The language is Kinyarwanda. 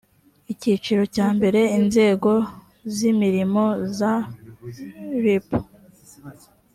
icyiciro cya mbere inzego z imirimo za rp